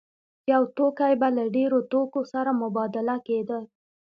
یو توکی به له ډېرو نورو توکو سره مبادله کېده